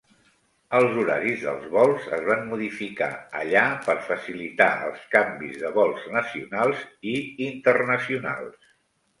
Els horaris dels vols es van modificar allà per facilitar els canvis de vols nacionals i internacionals.